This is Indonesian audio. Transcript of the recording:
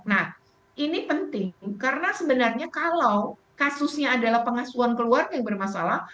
nah ini penting karena sebenarnya kalau kasusnya adalah pengasuhan keluarga yang bermasalah